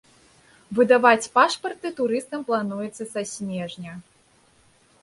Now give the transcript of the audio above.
Выдаваць пашпарты турыстам плануецца са снежня.